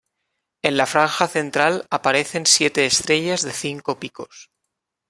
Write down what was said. En la franja central aparecen siete estrellas de cinco picos.